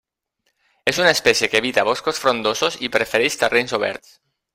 És una espècie que evita boscos frondosos i prefereix terrenys oberts.